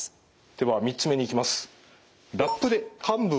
では３つ目にいきます。